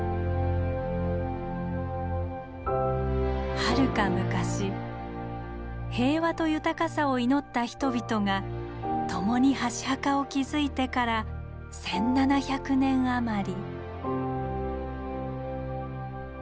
はるか昔平和と豊かさを祈った人々が共に箸墓を築いてから１，７００年余り。